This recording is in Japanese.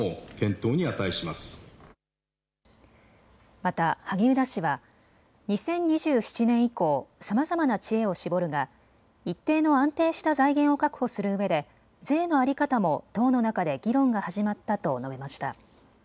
また萩生田氏は２０２７年以降、さまざまな知恵を絞るが一定の安定した財源を確保するうえで税の在り方も党の中で議論が始まったと述べました。